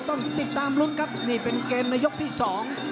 ต้องติดตามลุ้นครับนี่เป็นเกมในยกที่สอง